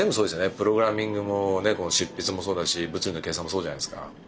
プログラミングもこの執筆もそうだし物理の計算もそうじゃないですか。